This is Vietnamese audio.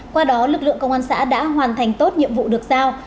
qua đó lực lượng công an xã đã hoàn thành tốt nhiệm vụ được giao